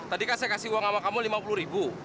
tadikan saya kasih uang sama kamu lima puluh ribu